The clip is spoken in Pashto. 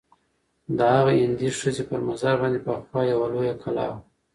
د هغه هندۍ ښځي پر مزار باندي پخوا یوه لویه کلا وه.